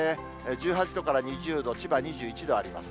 １８度から２０度、千葉２１度あります。